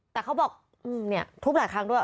แต่เขาบอกเนี่ยทุบหลายครั้งด้วย